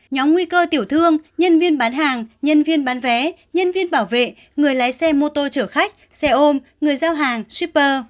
nhóm nguy cơ tiểu thương nhân viên bán hàng nhân viên bán vé nhân viên bảo vệ người lái xe mô tô chở khách xe ôm người giao hàng shipper